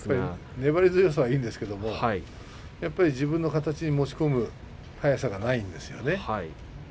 粘り強さはいいんですけれど自分の形に持っていく速さはないんですよね。